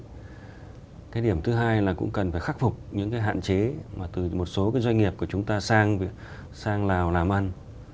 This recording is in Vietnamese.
thứ nhất cái điểm thứ hai là cũng cần phải khắc phục những hạn chế mà từ một số doanh nghiệp của chúng ta mà chúng ta sang lào làm ăn